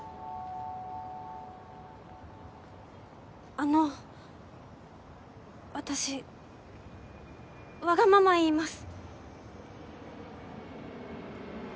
あの私わがまま言います。